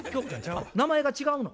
あっ名前が違うの？